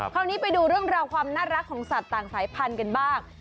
คราวนี้ไปดูเรื่องราวความน่ารักของสัตว์ต่างสายพันธุ์กันบ้าง